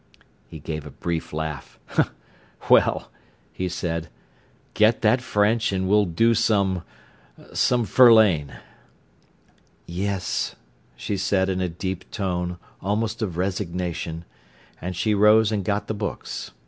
He gave a brief laugh. "Well," he said, "get that French and we'll do some—some Verlaine." "Yes," she said in a deep tone, almost of resignation. And she rose and got the books.